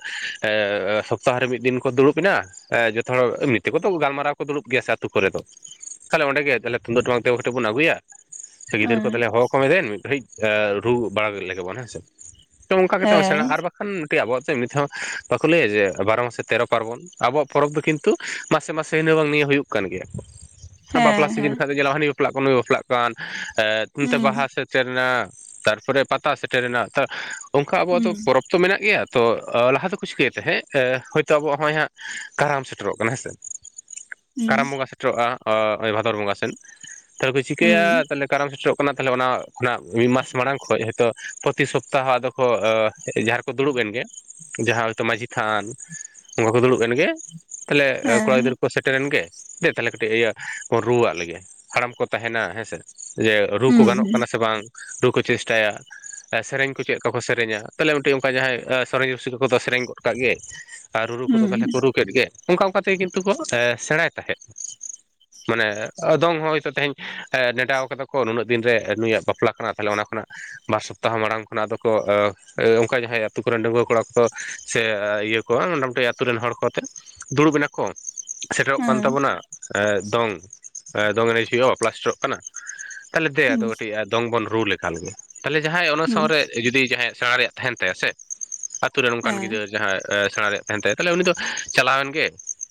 ᱮᱸ ᱮ ᱥᱚᱯᱛᱟᱦᱚᱨᱮ ᱢᱤᱫ ᱫᱤᱱ ᱠᱚ ᱫᱩᱲᱩᱵ ᱮᱱᱟ ᱮ ᱡᱚᱛᱚ ᱦᱚᱲ ᱢᱤᱫ ᱛᱮᱠᱚ ᱛᱚ ᱜᱟᱞᱢᱟᱨᱟᱣ ᱠᱚ ᱫᱩᱲᱩᱵ ᱜᱮᱭᱟ ᱥᱮ ᱟᱛᱩ ᱠᱚᱨᱮ ᱫᱚ ᱛᱟᱦᱚᱞᱮ ᱚᱸᱰᱮ ᱜᱮ ᱛᱟᱦᱚᱞᱮ ᱛᱩᱢᱫᱟᱜ ᱴᱟᱢᱟᱠ ᱛᱮ ᱠᱟᱴᱤᱡ ᱵᱚᱱ ᱟᱹᱜᱩᱭᱟ ᱜᱤᱫᱽᱨ ᱠᱚ ᱦᱮᱸ ᱛᱟᱞᱚᱞᱮ ᱦᱚᱦᱚ ᱠᱚᱢ ᱫᱮᱱ ᱢᱤᱫ ᱜᱷᱟᱹᱲᱤᱡ ᱨᱩ ᱵᱟᱲᱟ ᱞᱮᱜ ᱵᱚᱱ ᱦᱮᱸᱥᱮ ᱛᱚ ᱚᱱᱠᱟ ᱠᱟᱛᱮ ᱦᱚᱸ ᱥᱮᱬᱟ ᱦᱮᱸᱭ ᱟᱨ ᱵᱟᱠᱷᱟᱱ ᱢᱤᱫᱴᱤᱡ ᱟᱵᱚᱣᱟᱜ ᱥᱮᱜ ᱢᱤᱫᱽ ᱫᱷᱟᱣ ᱯᱟ ᱠᱩ ᱞᱟᱹᱭᱟ ᱡᱮ ᱵᱟᱨᱚ ᱢᱟᱥᱮ ᱛᱮᱨᱚ ᱯᱟᱨᱵᱚᱱ ᱟᱵᱚᱣᱟᱜ ᱯᱚᱨᱚᱵᱽ ᱫᱚ ᱠᱤᱱᱛᱩ ᱢᱟᱥᱮ ᱢᱟᱥᱮ ᱤᱱᱟᱹ ᱵᱟᱝ ᱱᱤᱭᱟᱹ ᱦᱩᱭᱩᱜ ᱠᱟᱱ ᱜᱮᱭᱟ ᱵᱟᱯᱞᱟ ᱦᱮᱸ ᱥᱤᱡᱤᱱ ᱦᱮᱸ ᱠᱷᱟᱱ ᱫᱚ ᱧᱮᱞᱟᱢ ᱦᱟᱱᱤ ᱵᱟᱯᱞᱟᱜ ᱠᱟᱱ ᱱᱩᱭ ᱵᱟᱯᱞᱟᱜ ᱠᱟᱱ ᱮᱸᱫ ᱢᱤᱫᱴᱮᱡ ᱦᱩᱸ ᱵᱟᱦᱟ ᱥᱮᱫ ᱴᱮᱨ ᱱᱟ ᱛᱟᱨᱯᱚᱨᱮ ᱯᱟᱛᱟ ᱥᱮᱴᱮᱨᱮᱱᱟ ᱚᱱᱠᱟ ᱟᱵᱚᱣᱟᱜ ᱫᱚ ᱦᱩᱸ ᱯᱚᱨᱚᱵᱽ ᱛᱚ ᱢᱮᱱᱟᱜ ᱜᱮᱭᱟ ᱛᱚ ᱞᱟᱦᱟ ᱫᱚᱠᱚ ᱪᱤᱠᱟᱹᱭᱟ ᱦᱮᱜ ᱮ ᱦᱳᱭᱛᱳ ᱟᱵᱚᱣᱟᱜ ᱦᱚᱸᱜᱼᱚᱭ ᱦᱟᱸᱜ ᱠᱟᱨᱟᱢ ᱥᱮᱴᱮᱨᱚᱜ ᱠᱟᱱᱟ ᱦᱮᱸ ᱥᱮ ᱦᱩᱸ ᱠᱟᱨᱟᱢ ᱵᱚᱸᱜᱟ ᱥᱮᱴ ᱴᱮᱨᱚᱜᱼᱟ ᱚ ᱱᱚᱜᱚᱭ ᱵᱷᱟᱫᱚᱨ ᱵᱚᱸᱜᱟ ᱥᱮᱱ ᱛᱟᱦᱚᱞᱮ ᱠᱚ ᱦᱩᱸ ᱪᱤᱠᱟᱹᱭᱟ ᱛᱟᱦᱚᱞᱮ ᱠᱟᱨᱟᱢ ᱥᱮᱴᱮᱨᱚᱜ ᱠᱟᱱᱟ ᱛᱟᱦᱚᱞᱮ ᱚᱱᱟ ᱠᱷᱚᱱᱟᱜ ᱢᱤᱫ ᱢᱟᱥ ᱢᱟᱲᱟᱝ ᱠᱷᱚᱡ ᱦᱮᱛᱚᱜ ᱯᱨᱚᱛᱤ ᱥᱚᱯᱛᱟᱦᱚ ᱟᱫᱚ ᱠᱚ ᱮ ᱡᱟᱦᱟᱸ ᱨᱮᱠᱚ ᱫᱩᱲᱩᱵ ᱮᱱ ᱜᱮ ᱡᱟᱦᱟᱸ ᱦᱚᱭᱛᱳ ᱢᱟᱺᱡᱷᱤ ᱛᱷᱟᱱ ᱚᱱᱠᱟ ᱠᱚ ᱫᱩᱲᱩᱵ ᱮᱱ ᱜᱮ ᱛᱟᱦᱚᱞᱮ ᱠᱚᱲᱟ ᱦᱮᱸ ᱜᱤᱫᱽᱨᱟᱹ ᱠᱚ ᱥᱮᱴᱮᱨᱮᱱ ᱜᱮ ᱫᱮ ᱛᱟᱦᱚᱞᱮ ᱠᱟᱹᱴᱤᱡ ᱤᱭᱟᱹ ᱠᱚ ᱨᱩ ᱟᱜ ᱞᱮᱜᱮ ᱦᱟᱲᱟᱢ ᱠᱚ ᱛᱟᱦᱮᱱᱟ ᱦᱮᱸ ᱥᱮ ᱤᱭᱟᱹ ᱨᱩ ᱠᱚ ᱦᱩᱸ ᱜᱟᱱᱚᱜ ᱠᱟᱱᱟ ᱥᱮ ᱵᱟᱝ ᱨᱩ ᱠᱚ ᱪᱮᱥᱴᱟᱭᱟ ᱥᱮᱨᱮᱧ ᱠᱚ ᱪᱮᱫᱠᱟ ᱠᱚ ᱥᱮᱨᱮᱧᱟ ᱛᱟᱞᱦᱮ ᱢᱤᱫᱴᱮᱡ ᱚᱱᱠᱟ ᱡᱟᱦᱟᱸᱭ ᱥᱮᱨᱮᱧ ᱨᱩᱥᱤᱠᱟ ᱠᱚᱫᱚ ᱥᱮᱨᱮᱧ ᱠᱚ ᱠᱟᱜ ᱜᱮ ᱟᱨ ᱨᱩ ᱨᱩ ᱠᱚᱫᱚ ᱦᱩᱸ ᱠᱚ ᱛᱟᱦᱞᱮ ᱠᱚ ᱨᱩ ᱠᱮᱫ ᱜᱮ ᱚᱱᱠᱟ ᱚᱱᱠᱟ ᱛᱮᱜᱮ ᱠᱚ ᱠᱤᱱᱛᱩ ᱠᱚ ᱥᱮᱬᱟᱭ ᱛᱟᱦᱮᱸᱫ ᱾ ᱢᱟᱱᱮ ᱫᱚᱝ ᱦᱚᱸ ᱦᱚᱭᱛᱳ ᱛᱮᱦᱮᱧ ᱱᱮᱰᱟᱣ ᱠᱟᱫᱟ ᱠᱚ ᱱᱩᱱᱟᱹᱜ ᱫᱤᱱ ᱨᱮ ᱱᱩᱭᱟᱜ ᱵᱟᱯᱞᱟ ᱠᱟᱱᱟ ᱛᱟᱦᱚᱞᱮ ᱚᱱᱟ ᱠᱷᱚᱱᱟᱜ ᱵᱟᱨ ᱥᱚᱯᱛᱟᱦᱚ ᱢᱟᱲᱟᱝ ᱠᱷᱚᱱᱟᱜ ᱟᱫᱚ ᱠᱚ ᱚᱱᱠᱟ ᱡᱟᱦᱟᱸᱭ ᱟᱛᱩ ᱠᱚᱨᱮᱱ ᱰᱟᱺᱝᱣᱟᱹ ᱠᱚᱲᱟ ᱠᱚᱫᱚ ᱥᱮ ᱤᱭᱟᱹ ᱠᱚ ᱢᱚᱴᱟᱢᱩᱴᱤ ᱟᱛᱳ ᱨᱮᱱ ᱦᱚᱲ ᱠᱚᱛᱮ ᱫᱩᱲᱩᱵ ᱮᱱᱟ ᱠᱚ ᱥᱮᱴᱮᱨᱚᱜ ᱠᱟᱱ ᱦᱮᱸ ᱛᱟᱵᱚᱱᱟ ᱮ ᱫᱚᱝ ᱫᱚᱝ ᱮᱱᱮᱡ ᱦᱩᱭᱩᱜᱼᱟ ᱵᱟᱯᱞᱟ ᱥᱮᱴᱮᱨᱚᱜ ᱠᱟᱱᱟ ᱛᱟᱦᱚᱞᱮ ᱫᱮ ᱟᱫᱚ ᱦᱩᱸ ᱠᱟᱹᱴᱤᱡ ᱫᱚᱝ ᱵᱚᱱ ᱨᱩ ᱞᱮᱜᱟ ᱞᱮᱜᱮ ᱛᱟᱦᱚᱞᱮ ᱡᱟᱦᱟᱸᱭ ᱚᱱᱟ ᱦᱩᱸ ᱥᱟᱶᱨᱮ ᱡᱩᱫᱤ ᱡᱟᱦᱟᱸᱭ ᱥᱮᱬᱟ ᱨᱮᱭᱟᱜ ᱛᱟᱦᱮᱱ ᱛᱟᱭᱟ ᱥᱮ ᱟᱛᱳ ᱨᱮᱱ ᱚᱱᱠᱟᱱ ᱦᱮᱸ ᱜᱤᱫᱟᱹᱨ ᱡᱟᱦᱟᱸᱭ ᱮ ᱥᱮᱬᱟ ᱨᱮᱭᱟᱜ ᱛᱟᱦᱮᱸᱱ ᱛᱟᱭᱟ ᱛᱟᱦᱚᱞᱮ ᱩᱱᱤ ᱫᱚ ᱪᱟᱞᱟᱣᱮᱱ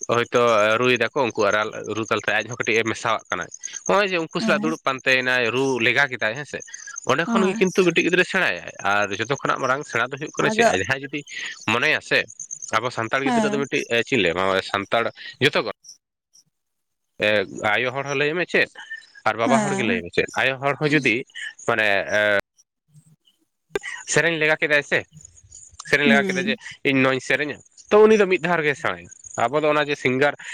ᱦᱚᱭᱛᱚ ᱨᱩᱭ ᱫᱟᱠᱚ ᱟᱨᱟᱞ ᱨᱩ ᱛᱟᱞᱟᱛᱮ ᱟᱡ ᱦᱚᱸ ᱠᱟᱹᱴᱤᱡ ᱮ ᱢᱮᱥᱟᱣᱟᱜ ᱠᱟᱱᱟ ᱱᱚᱜᱼᱚᱭ ᱡᱮ ᱩᱱᱠᱩ ᱥᱟᱞᱟᱜ ᱦᱮᱸ ᱫᱩᱲᱩᱵ ᱯᱟᱱᱛᱮᱭ ᱮᱱᱟᱭ ᱨᱩ ᱞᱮᱜᱟ ᱠᱮᱫᱟᱭ ᱦᱮᱸᱥᱮ ᱚᱸᱰᱮ ᱠᱷᱚᱱ ᱜᱮ ᱦᱳᱭ ᱠᱤᱱᱛᱩ ᱢᱤᱫᱽᱴᱤᱡ ᱜᱤᱫᱽᱨᱟᱹᱭ ᱥᱮᱬᱟᱭᱟᱭ ᱟᱨ ᱡᱚᱛᱚ ᱠᱷᱚᱱᱟᱜ ᱢᱟᱨᱲᱟᱝ ᱥᱮᱬᱟ ᱫᱚ ᱦᱩᱭᱩᱜ ᱠᱟᱱᱟ ᱪᱮ ᱟᱫᱚ ᱟᱡ ᱡᱟᱦᱟᱸᱭ ᱡᱩᱫᱤ ᱢᱚᱱᱮᱭᱟ ᱥᱮ ᱟᱵᱚ ᱥᱟᱱᱛᱟᱲ ᱜᱤᱫᱽᱨᱟᱹ ᱫᱚ ᱦᱮᱸ ᱢᱤᱫᱴᱤᱡ ᱪᱤᱞᱤ ᱥᱟᱱᱛᱟᱲ ᱡᱚᱛᱚ ᱠᱚ ᱮᱸ ᱟᱭᱳ ᱦᱚᱲ ᱦᱚᱸ ᱞᱟᱹᱭ ᱢᱮ ᱪᱮᱫ ᱟᱨ ᱵᱟᱵᱟ ᱦᱚᱲ ᱜᱮ ᱦᱮᱸ ᱞᱟᱹᱭ ᱢᱮ ᱪᱮᱫ ᱟᱭᱳ ᱦᱚᱲ ᱦᱚᱸ ᱡᱩᱫᱤ ᱢᱟᱱᱮ ᱮ ᱥᱮᱨᱮᱧ ᱞᱮᱜᱟ ᱠᱮᱫᱟᱭ ᱥᱮ ᱥᱮᱨᱮᱧ ᱞᱮᱟᱜᱟ ᱠᱮᱫᱟ ᱦᱩᱸ ᱡᱮ ᱤᱧ ᱱᱚᱣᱟᱧ ᱥᱮᱨᱮᱧᱟ ᱛᱚ ᱩᱱᱤ ᱫᱚ ᱢᱤᱫ ᱫᱷᱟᱣ ᱨᱮᱜᱮ ᱥᱮᱬᱟᱭᱟ ᱟᱵᱚ ᱫᱚ ᱚᱱᱟ ᱡᱮ ᱥᱤᱝᱜᱟᱨ